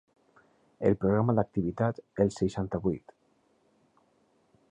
El programa d’activitats Els ’seixanta-vuit.